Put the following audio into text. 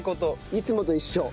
いつもと一緒？